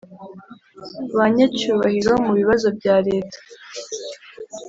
banyacyubahiro mubibazo bya leta,